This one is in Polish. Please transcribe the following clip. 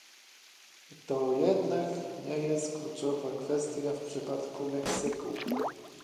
To jednak nie jest kluczowa kwestia w przypadku Meksyku